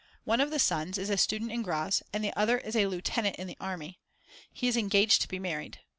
One of the sons is a student in Graz and the other is a lieutenant in the army; he is engaged to be married.